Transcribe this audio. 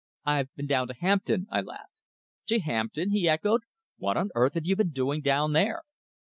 "I've been down to Hampton," I laughed. "To Hampton!" he echoed. "What on earth have you been doing down there?"